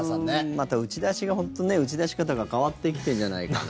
また打ち出しが本当にね打ち出し方が変わってきてるんじゃないかなって。